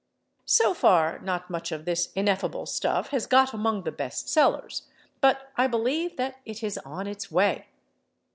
So far, not much of this ineffable stuff has got among the best sellers, but I believe that it is on its way.